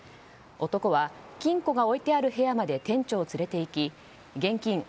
男は金庫が置いてある部屋まで店長を連れていき現金